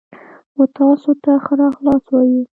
و تاسو ته ښه راغلاست وایو.